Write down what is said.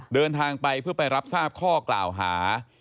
เดินทางไปเพื่อไปรับทราบข้อกล่าวหา